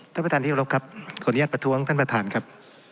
ท่านประธานที่กรบครับขออนุญาตประท้วงท่านประธานครับ